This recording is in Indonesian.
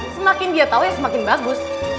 semakin dia tau ya semakin bagus